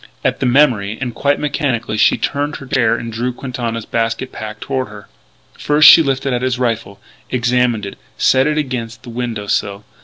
At the memory, and quite mechanically, she turned in her chair and drew Quintana's basket pack toward her. First she lifted out his rifle, examined it, set it against the window sill.